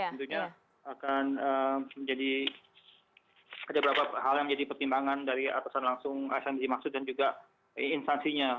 tentunya akan menjadi ada beberapa hal yang menjadi pertimbangan dari atasan langsung dimaksud dan juga instansinya